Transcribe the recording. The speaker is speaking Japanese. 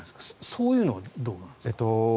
そういうのはどうなんですか？